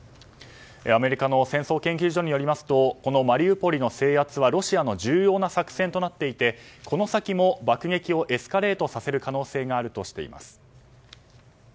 アメリカの戦争研究所によりますとこのマリウポリの制圧はロシアの重要な作戦となっていてこの先も爆撃をエスカレートさせる可能性があるとしています。